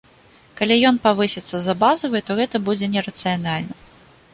Калі ён павысіцца за базавай, то гэта будзе не рацыянальна.